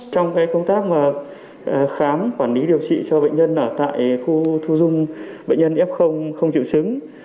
trong công tác khám quản lý điều trị cho bệnh nhân ở tại khu thu dung bệnh nhân f không triệu chứng